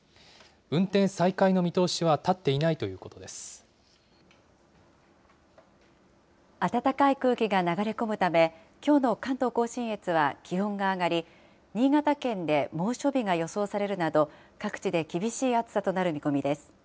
運転再開の見通しは立っていない暖かい空気が流れ込むため、きょうの関東甲信越は気温が上がり、新潟県で猛暑日が予想されるなど、各地で厳しい暑さとなる見込みです。